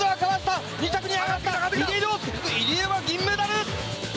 入江は銀メダル！